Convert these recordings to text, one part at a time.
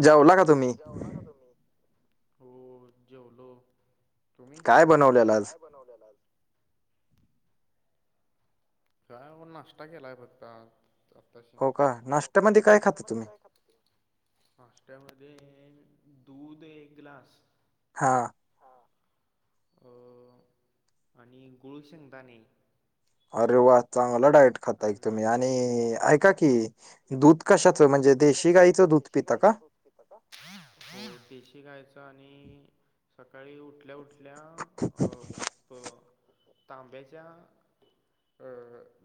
जेवला का तुम्ही? जेवला का तुम्ही? हो जेवलो. तुम्ही? काय बनवलेलं आज? काय बनवलेला आज? काय नाही बाबा नाश्ता केलाय फक्त. आताश का? हो का नाश्त्यामध्ये काय खाता नाश्त्यामध्ये तुम्ही? काय खातो तु? नाष्ट्या मधे दूध एक ग्लास हां. हां अ आणि गुळ, शेंगदाणे अरे वा! चांगला डायट खाताय तुम्ही आणि ऐका की दूध कशाच म्हणजे देशी गाईचं दूध पिता का? देशी गायीच आणि सकाळी उठल्या उठल्याअ प तांब्याच्या अ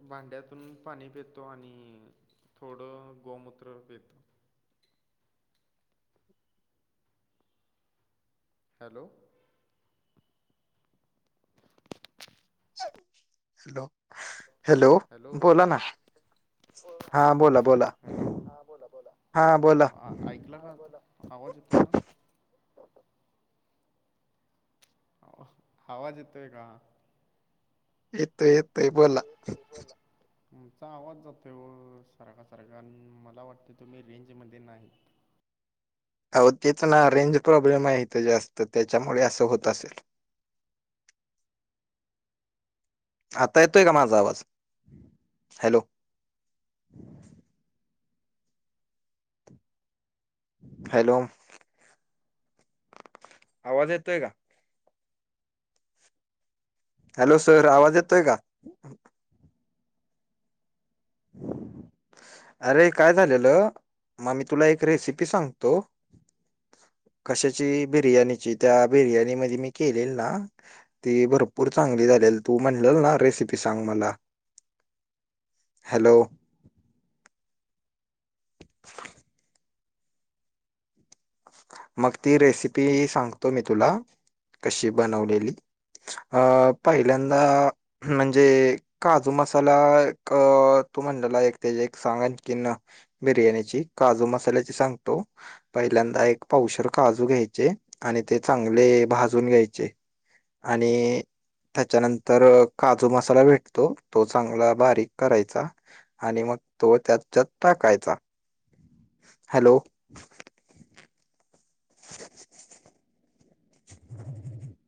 भांड्यातून पाणी पेतो आणि थोडं गोमूत्र पेतो. हॅलो हॅलो हॅलो बोला ना? हा बोला बोला. हॅलो हा बोला बोला हा बोला. आ ऐकला हा आवाज येतोय ना? आवाज येतोय का? येतोय बोला. येतोय येतोय बोला. तुमचा आवाज जातोय ओ सारखा-सारखा अन् मला वाटतं तुम्ही रेंजमध्ये नाही. आओ तेच ना रेंज प्रॉब्लेम आहे इथं जास्त त्याच्यामुळे असं होत असेल. आता येतोय का माझा आवाज? हॅलो हॅलो आवाज येतोय का? हॅलो! सर आवाज येतोय का? [unintelligible] अरे! काय झालेलं मग मी तुला एक रेसिपी सांगतो. कशाची बिर्याणीची त्या बिर्याणी मधी मी केलेली ना. ती भरपूर चांगली झालेली, तू म्हणलेल ना रेसिपी सांग मला. हॅलो! [unintelligible] मग ती रेसिपी सांगतो, मी तुला कशी बनवलेली. अ पहिल्यांदा म्हणजे काजू मसाला एक तू म्हणलेला, एक तेज एक सांग आणि तेन बिर्याणीची काजू मसाल्याची सांगतो, पहिल्यांदा एक पावशेर काजू घ्यायचे, आणि ते चांगले भाजून घ्यायचे. आणि त्याच्यानंतर काजू मसाला भेटतो, तो चांगला बारीक करायचा. आणि मग तो त्याच्यात टाकायचा. हॅलो! [unintelligible]